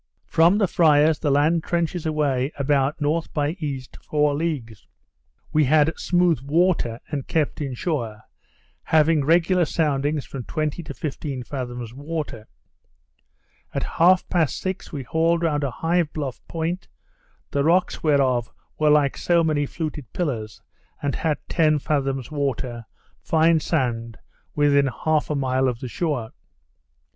From the Friars the land trenches away about N. by E. four leagues: We had smooth water, and kept in shore, having regular soundings from twenty to fifteen fathoms water. At half past six we hauled round a high bluff point, the rocks whereof were like so many fluted pillars, and had ten fathoms water, fine sand, within half a mile of the shore.